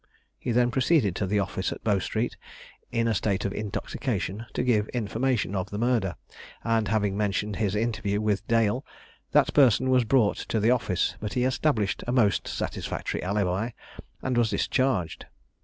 He then proceeded to the office at Bow street, in a state of intoxication, to give information of the murder, and having mentioned his interview with Dale, that person was brought to the office; but he established a most satisfactory alibi, and was discharged.